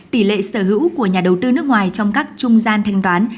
tỷ lệ sở hữu của nhà đầu tư nước ngoài trong các trung gian thanh toán